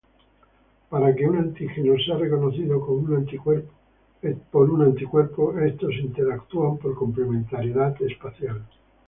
Para que un antígeno sea reconocido por un anticuerpo, estos interactúan por complementariedad espacial.